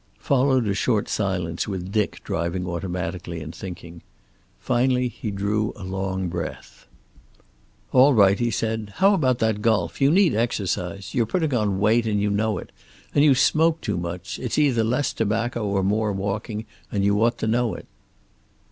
Followed a short silence with Dick driving automatically and thinking. Finally he drew a long breath. "All right," he said, "how about that golf you need exercise. You're putting on weight, and you know it. And you smoke too much. It's either less tobacco or more walking, and you ought to know it."